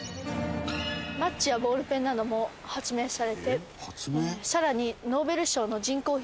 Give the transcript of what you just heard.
マッチやボールペンなども発明されて更に。